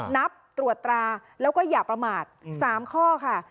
นับตรวจตราแล้วก็อย่าประมาท๓ข้อค่ะ